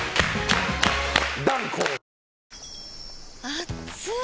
あっつい！